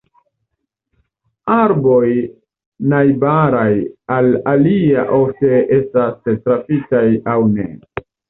Arboj najbaraj al alia ofte estas trafitaj aŭ ne.